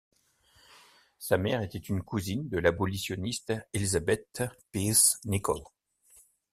Sa mère était une cousine de l'abolitioniste Elizabeth Pease Nichol.